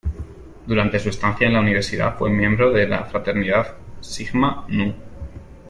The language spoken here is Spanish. Durante su estancia en la universidad fue miembro de la fraternidad Sigma Nu.